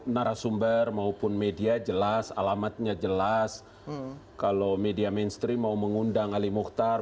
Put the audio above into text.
narasumber maupun media jelas alamatnya jelas kalau media mainstream mau mengundang ali mukhtar